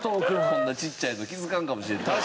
こんなちっちゃいの気づかんかも。